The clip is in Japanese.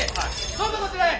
どうぞこちらへ！